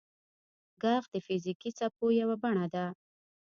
• ږغ د فزیکي څپو یوه بڼه ده.